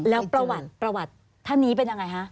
แล้วประวัติท่านนี้เป็นอย่างไรคะ